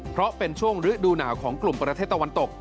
เพราะเป็นช่วงฤดูหนาวของกลุ่มประเทศตะวันตก